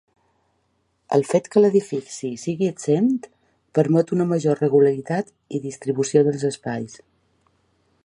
El fet que l'edifici sigui exempt permet una major regularitat i distribució dels espais.